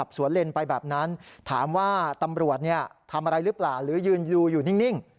สวนเลนไปแบบนั้นถามว่าตำรวจทำอะไรหรือเปล่าหรือยืนดูอยู่นิ่ง